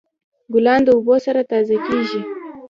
ګلان د اوبو سره تازه کیږي.